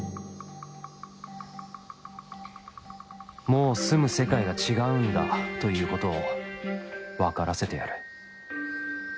もう住む世界が違うんだということを分からせてやる